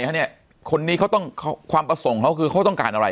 คนนี้เขาต้องความประสงค์เขาคือเขาต้องการอะไร